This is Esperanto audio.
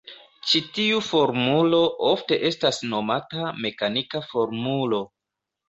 Ĉi tiu formulo ofte estas nomata mekanika formulo.